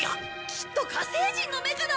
きっと火星人のメカだ！